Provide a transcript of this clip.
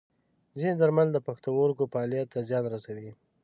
ځینې درمل د پښتورګو فعالیت ته زیان رسوي.